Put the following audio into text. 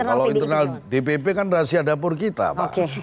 kalau internal dpp kan rahasia dapur kita pak